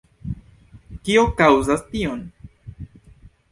Kio kaŭzas tion?